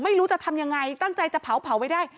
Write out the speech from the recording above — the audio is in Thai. ไม่รู้จะทำยังไงตั้งใจจะเผาไว้ได้